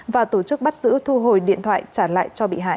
và tổ chức bắt giữ thu hồi điện thoại trả lại cho bị hại